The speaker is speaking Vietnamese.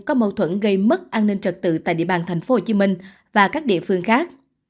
có mâu thuẫn gây mất an ninh trật tự tại địa bàn tp hcm và các địa phương khác